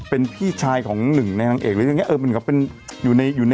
เป็นพี่ชายของหนึ่งในทางเอกอะไรอย่างเงี้ย